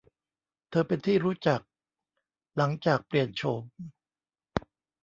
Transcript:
เธอเป็นที่รู้จักหลังจากเปลี่ยนโฉม